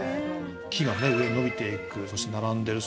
木がね上に伸びていくそして並んでる